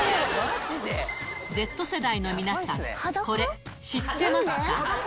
Ｚ世代の皆さん、これ、知ってますか？